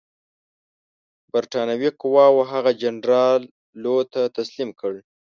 برټانوي قواوو هغه جنرال لو ته تسلیم کړ.